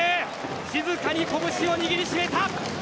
静かに拳を握り締めた。